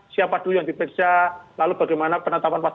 siapa dulu yang diperiksa lalu bagaimana penetapan pasien